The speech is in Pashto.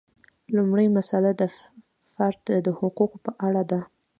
لومړۍ مسئله د فرد د حقوقو په اړه ده.